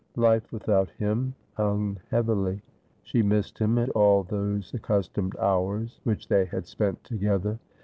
Life without him hung heavily. She missed him at all those accustomed hours which they had spent together.